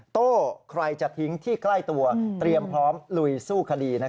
โต้ใครจะทิ้งที่ใกล้ตัวเตรียมพร้อมลุยสู้คดี